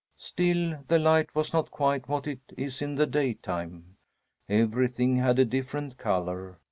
Still the light was not quite what it is in the daytime. Everything had a different color.